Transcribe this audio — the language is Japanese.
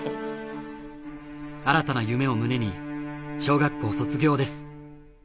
新たな夢を胸に小学校卒業です。